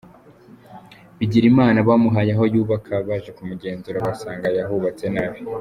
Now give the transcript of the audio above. Bigirimana bamuhaye aho yubaka, baje kumugenzura bagasanga yahubatse nabi.